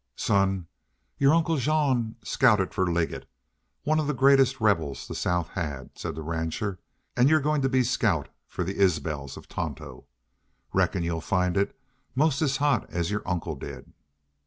"Son, your uncle Jean was scout for Liggett, one of the greatest rebels the South had," said the rancher. "An' you're goin' to be scout for the Isbels of Tonto. Reckon you'll find it 'most as hot as your uncle did....